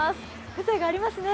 風情がありますね。